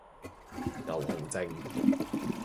牛熊證